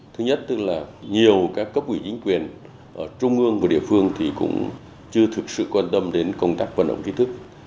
thứ nhất tức là nhiều các cấp ủy chính quyền ở trung ương và địa phương thì cũng chưa thực sự quan tâm đến công tác vận động chí thức